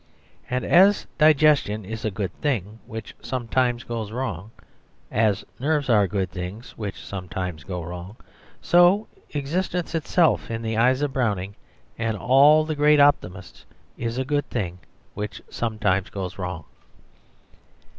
And as digestion is a good thing which sometimes goes wrong, as nerves are good things which sometimes go wrong, so existence itself in the eyes of Browning and all the great optimists is a good thing which sometimes goes wrong.